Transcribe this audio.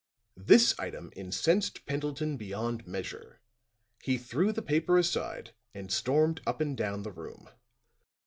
This item incensed Pendleton beyond measure; he threw the paper aside and stormed up and down the room.